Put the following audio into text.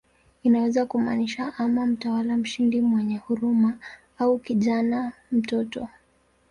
Inaweza kumaanisha ama "mtawala mshindi mwenye huruma" au "kijana, mtoto".